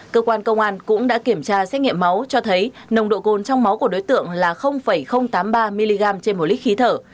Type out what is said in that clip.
cơ quan công an cũng đã kiểm tra xét nghiệm máu cho thấy nồng độ cồn trong máu của đối tượng là tám mươi ba mg trên một lít khí thở